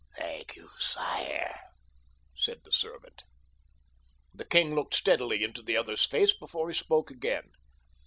"Thank you, sire," said the servant. The king looked steadily into the other's face before he spoke again.